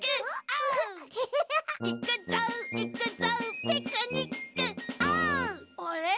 あれ？